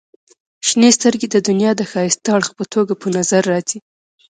• شنې سترګې د دنیا د ښایسته اړخ په توګه په نظر راځي.